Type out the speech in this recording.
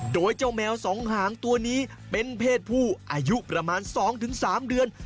โดยเจ้าแมวสองหางตัวนี้เป็นเพศผู้อายุประมาณ๒๓เดือน